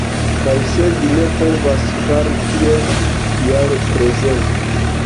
Kaj se vi ne povas fari tion kial prezentu?